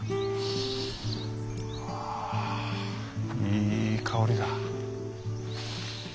ああいい香りだ。